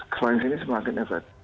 kelayang sini semakin efek